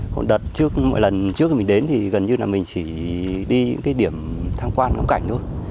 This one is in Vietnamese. còn đợt trước mỗi lần trước thì mình đến thì gần như là mình chỉ đi những cái điểm tham quan ngắm cảnh thôi